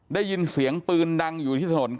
ได้ยินเสียงปืนดังอยู่ที่ถนน